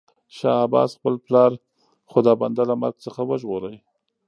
شاه عباس خپل پلار خدابنده له مرګ څخه وژغوره.